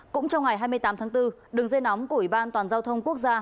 cũng trong ngày hai mươi tám tháng bốn đường dây nóng của ủy ban toàn giao thông quốc gia